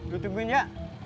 gue tungguin ya